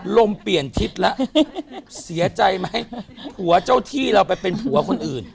ลมเปลี่ยนทิศแล้วเสียใจไหมผัวเจ้าที่เราไปเป็นผัวคนอื่น